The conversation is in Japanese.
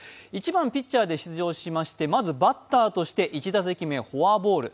１番・ピッチャーで出場しましてまずバッターとして１打席目、フォアボール。